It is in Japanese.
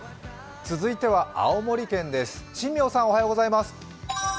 続いては青森県です。